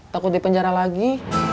takut dipenjara lagi